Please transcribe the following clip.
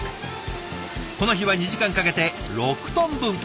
この日は２時間かけて６トン分。